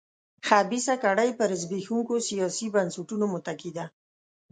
خبیثه کړۍ پر زبېښونکو سیاسي بنسټونو متکي ده.